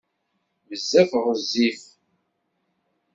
Bezzaf ɣezzif.